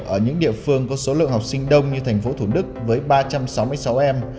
ở những địa phương có số lượng học sinh đông như thành phố thủ đức với ba trăm sáu mươi sáu em